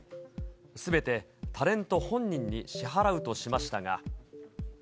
すべてタレント本人に支払うとしましたが。